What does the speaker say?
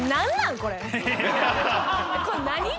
これ何？